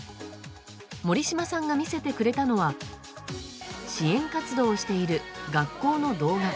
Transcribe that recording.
盛島さんが見せてくれたのは支援活動をしている学校の動画。